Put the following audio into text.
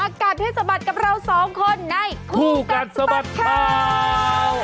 อากาศให้สมัดกับเราสองคนในคู่กัดสมัดข่าว